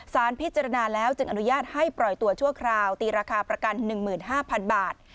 สารพิจารณาแล้วจึงอนุญาตให้ปล่อยตัวชั่วคราวตีราคาประกัน๑๕๐๐๐บาท